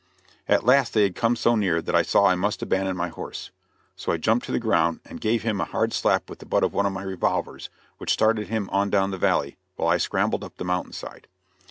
At last they had come so near that I saw that I must abandon my horse. So I jumped to the ground, and gave him a hard slap with the butt of one of my revolvers, which started him on down the valley, while I scrambled up the mountain side.